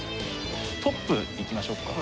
トップいきましょうか。